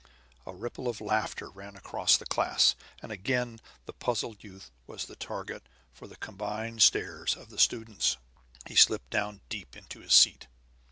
A ripple of laughter ran over the class, and again the puzzled youth was the target for the combined stares of the students. He slipped down deep into his seat.